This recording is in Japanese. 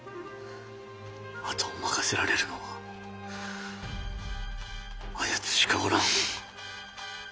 後を任せられるのはあやつしかおらん。